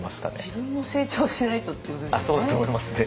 自分も成長しないとっていうことですよね。